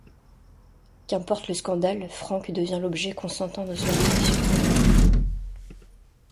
Qu'importe le scandale, Franck devient l'objet consentant de son affection.